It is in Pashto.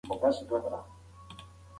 هغه د خپل ورور د وژلو اراده نه درلوده.